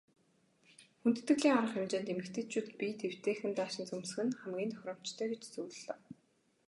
Хүндэтгэлийн арга хэмжээнд эмэгтэйчүүд биед эвтэйхэн даашинз өмсөх нь хамгийн тохиромжтой гэж зөвлөлөө.